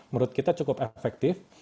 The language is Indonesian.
menurut kita cukup efektif